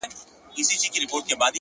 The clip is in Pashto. انسان د خپلو انتخابونو محصول دی!